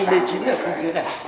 điều này là khu b chín